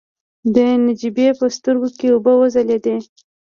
د نجيبې په سترګو کې اوبه وځلېدلې.